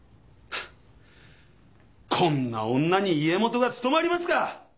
こんな女に家元が務まりますか！